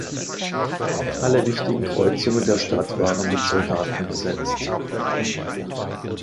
Alle wichtigen Kreuzungen der Stadt waren mit Soldaten besetzt.